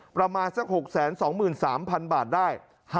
ประมาณสัก๖๒๓๐๐๐บาทได้